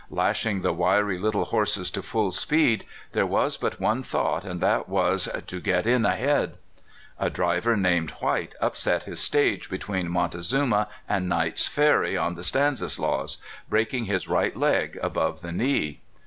Lashing the wiry little horses to full speed, there was but one thought, and that was, to *' get in ahead." A driv er named White upset his stage between Montezu BISHOP KAVANAUGH IN CALIFORNIA. 269 ma and Knight's Ferry on the Stanishius, breaking his right leg above the knee.